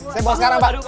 saya bawa sekarang pak